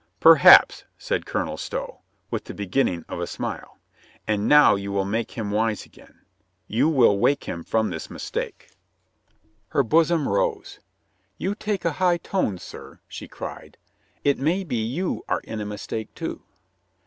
"Perhaps," said Colonel Stow, with the beginning of a smile. "And now you will make him wise again. You will wake him from this mistake." COLONEL ROYSTON STAYS BY A LADY 123 Her bosom rose. "You take a high tone, sir !" she cried. "It may be you are in a mistake, too."